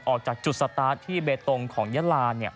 ออกจากจุดสตาร์ทที่เบตตรงของยะลาเนี่ย